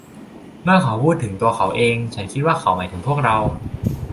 เมื่อเขาพูดถึงตัวเขาเอง ฉันคิดว่าเขาหมายถึงพวกเรา